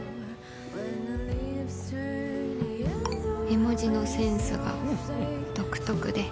「絵文字のセンスが独特で」